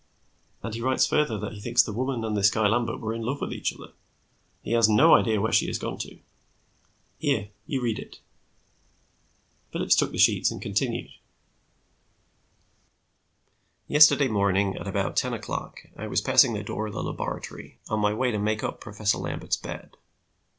And he writes further that he thinks the woman and this guy Lambert were in love with each other. He has no idea where she has gone to. Here, you read it." Phillips took the sheets and continued: "'Yesterday morning about ten o'clock I was passing the door of the laboratory on my way to make up Professor Lambert's bed.